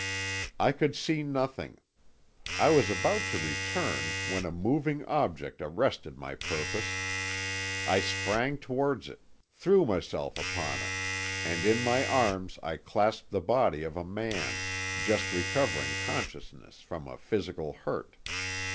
"I could see nothing. I was about to return, when a moving object arrested my purpose. I sprang towards it threw myself upon it. And in my arms I clasped the body of a man, just recovering consciousness from a physical hurt.